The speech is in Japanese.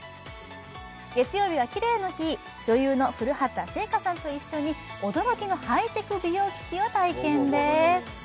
月曜日はキレイの日女優の古畑星夏さんと一緒に驚きのハイテク美容機器を体験です